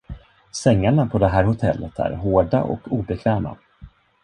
Sängarna på det här hotellet är hårda och obekväma.